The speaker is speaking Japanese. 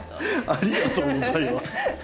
ありがとうございます。